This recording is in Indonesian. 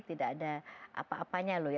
tidak ada apa apanya loh